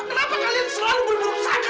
kenapa kalian selalu berperusahaan sama saya